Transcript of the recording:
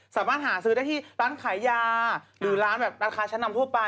สามารถหาซื้อได้ที่ร้านขายยาหรือร้านแบบราคาชั้นนำทั่วไป